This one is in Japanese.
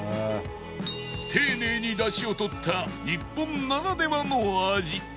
丁寧にだしをとった日本ならではの味